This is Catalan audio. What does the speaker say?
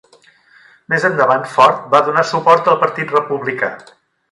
Més endavant Ford va donar suport al Partit Republicà.